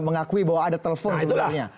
mengakui bahwa ada telepon sebenarnya